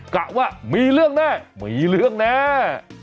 กะว่ามีเรื่องแน่มีเรื่องแน่